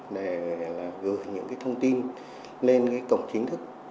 để gửi những cái thông tin lên cái cổng chính thức